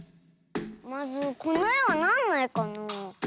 まずこのえはなんのえかなあ。